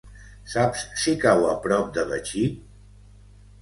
Saps si cau a prop de Betxí?